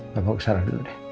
bapak usahalah dulu deh